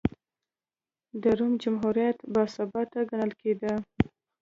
د روم جمهوریت باثباته ګڼل کېده.